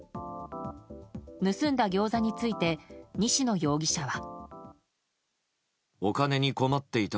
盗んだギョーザについて西野容疑者は。